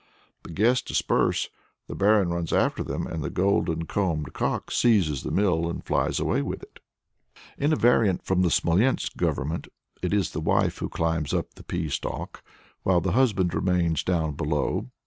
The guests disperse, the Barin runs after them, and the golden combed cock seizes the mill and flies away with it. In a variant from the Smolensk Government, it is the wife who climbs up the pea stalk, while the husband remains down below.